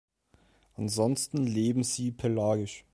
Ansonsten leben sie pelagisch.